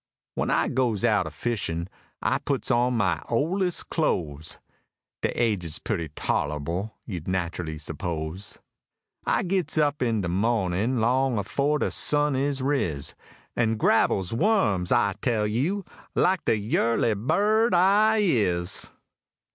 When I goes out a fishin', I puts on my ol'est clo'es: (Dey age's putty tol'able, you'd nat'rally suppose!) I gits up in de moh'nin', long afore de sun is riz, An' grabbles wums, I tell you! like de yurly bird I is.